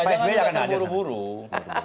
pak sby akan ada